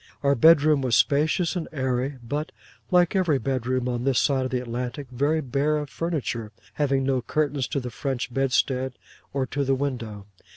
Our bedroom was spacious and airy, but (like every bedroom on this side of the Atlantic) very bare of furniture, having no curtains to the French bedstead or to the window.